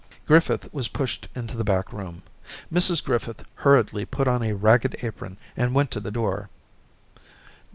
Griffith was pushed into the back room ; Mrs Griffith hurriedly put on a ragged apron and went to the door.